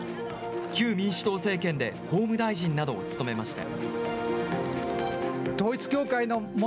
旧民主党政権で法務大臣などを務めました。